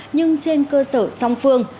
nhưng trên cơ sở song phương